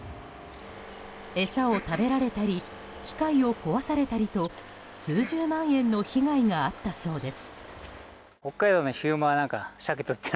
餌を食べられたり機会を壊されたりと数十万円の被害があったそうです。